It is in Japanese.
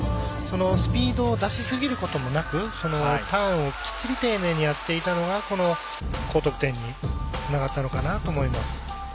スピードを出しすぎることもなくターンをきっちり丁寧にやっていたのがこの高得点につながったのかなと思います。